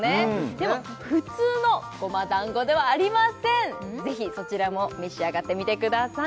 でも普通の胡麻団子ではありませんぜひそちらも召し上がってみてください